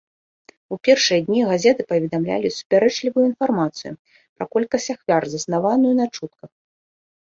У першыя дні газеты паведамлялі супярэчлівую інфармацыю пра колькасць ахвяр, заснаваную на чутках.